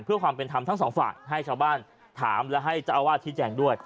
เพื่อความเป็นธรรมทั้งสองฝ่ายให้ชาวบ้านถามและให้เจ้าอาวาสชี้แจงด้วย